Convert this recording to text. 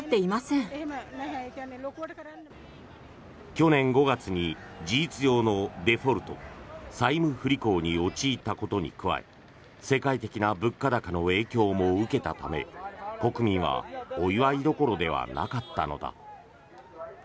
去年５月に事実上のデフォルト・債務不履行に陥ったことに加え世界的な物価高の影響も受けたため国民はお祝いどころではなかったのだ。